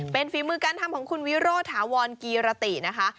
เป็นฝีมือการทำของคุณวิโรธาวรกีรตินะคะ